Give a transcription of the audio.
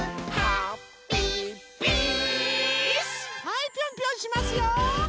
はいぴょんぴょんしますよ！